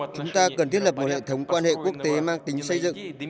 chúng ta cần thiết lập một hệ thống quan hệ quốc tế mang tính xây dựng